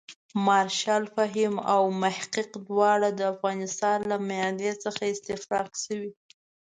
مارشال فهیم او محقق دواړه د افغانستان له معدې څخه استفراق شوي.